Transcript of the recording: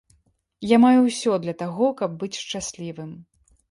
Я маю ўсё для таго, каб быць шчаслівым.